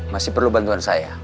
masih perlu bantuan saya